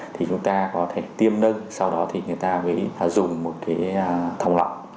thì chúng ta có thể tiêm nâng sau đó thì người ta mới dùng một thòng lọng